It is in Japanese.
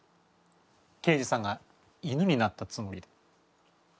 刑事さんが犬になったつもりで。